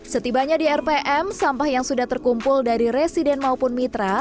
setibanya di rpm sampah yang sudah terkumpul dari residen maupun mitra